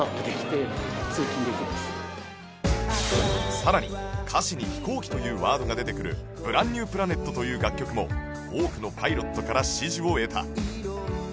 さらに歌詞に「飛行機」というワードが出てくる『Ｂｒａｎｄｎｅｗｐｌａｎｅｔ』という楽曲も多くのパイロットから支持を得た